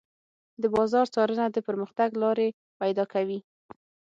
د بازار څارنه د پرمختګ لارې پيدا کوي.